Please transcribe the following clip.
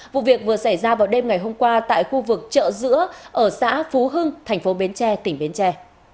vụ việc vừa xảy ra vào đêm ngày hôm qua tại khu vực chợ giữa ở xã phú hưng thành phố bến tre tỉnh bến tre